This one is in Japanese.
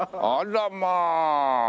あらまあ。